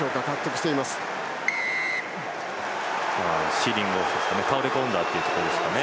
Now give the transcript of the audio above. シーリングオフ倒れ込んだというところですね